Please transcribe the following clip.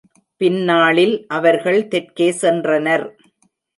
பின்னாளில் அவர்கள் தெற்கே சென்றனர்.